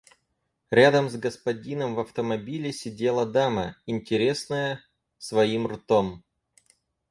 Рядом с господином в автомобиле сидела дама, интересная своим ртом.